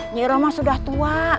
nyiroh sudah tua